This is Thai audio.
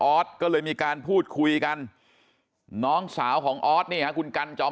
ก็เลยมีการพูดคุยกันน้องสาวของออสเนี่ยคุณกันจอม